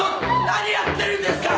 何やってるんですか